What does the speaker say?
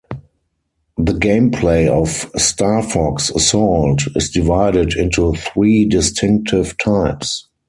The gameplay of "Star Fox: Assault" is divided into three distinctive types.